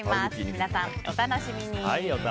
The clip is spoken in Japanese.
皆さん、お楽しみに。